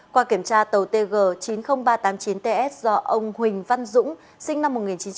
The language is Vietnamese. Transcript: qua kiểm tra tàu tg chín mươi nghìn ba trăm tám mươi chín ts do ông huỳnh văn dũng sinh năm một nghìn chín trăm tám mươi